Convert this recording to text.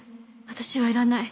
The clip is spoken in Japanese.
私はいらない。